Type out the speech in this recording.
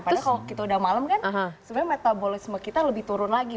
terus kalau kita udah malam kan sebenarnya metabolisme kita lebih turun lagi